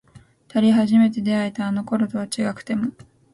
二人初めて出会えたあの頃とは違くても